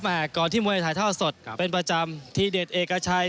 ครับก่อนที่มวยถ่ายเท่าสดเป็นประจำทีเด็ดเหกและชัย